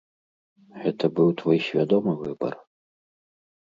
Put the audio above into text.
Гэта быў твой свядомы выбар?